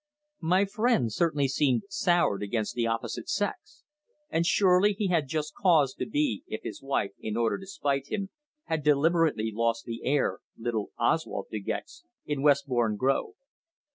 My friend certainly seemed soured against the opposite sex. And surely he had just cause to be if his wife, in order to spite him, had deliberately lost the heir, little Oswald De Gex, in Westbourne Grove.